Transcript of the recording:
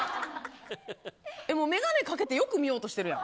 眼鏡かけてよく見ようとしてるやん。